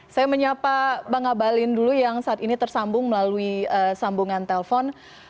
saya menyapa bang abalin dulu yang saat ini tersambung melalui sambungan telpon